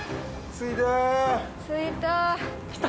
着いた。